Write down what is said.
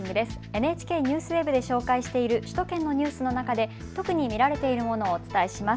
ＮＨＫＮＥＷＳＷＥＢで紹介している首都圏のニュースの中で特に見られているものをお伝えします。